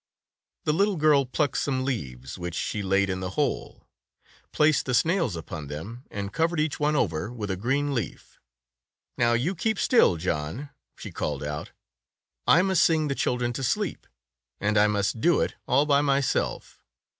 The little girl plucked some leaves, which she laid in the hole, placed the snails upon them, and covered each one over with a green leaf. "Now you keep still, John," she called out. "I must sing the children to sleep, and I must do it all by myself.